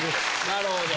なるほど。